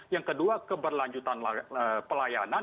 yang kedua keberlanjutan pelayanan